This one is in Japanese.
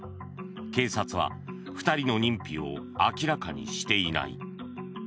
警察は２人の認否を明らかにしていない。